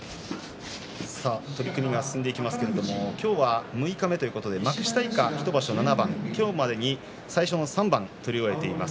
取組が進んでいきますが今日六日目ということで幕下以下１場所７番今日までに最初の３番を取り終えています。